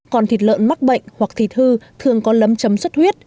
còn thịt lợn mắc bệnh hoặc thịt hư thường có lấm chấm xuất huyết